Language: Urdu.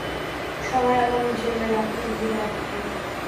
شمع غم جھلملاتی رہی رات بھر